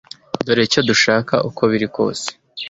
Dore icyo dushaka uko biri kose